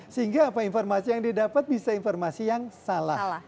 sehingga apa informasi yang didapat bisa informasi yang salah